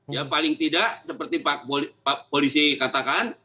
ya paling tidak seperti pak polisi katakan